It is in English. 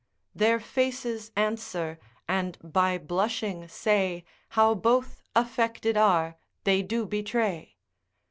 Their faces answer, and by blushing say, How both affected are, they do betray.